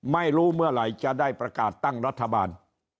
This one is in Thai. ไม่รู้เมื่อไหร่จะได้ประกาศตั้งรัฐบาล